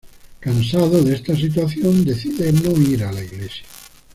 Cansado de esta situación decide no ir a la iglesia.